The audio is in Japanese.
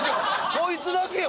こいつだけや。